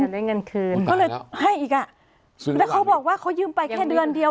ได้เงินคืนเขาเลยให้อีกอ่ะแล้วเขาบอกว่าเขายืมไปแค่เดือนเดียว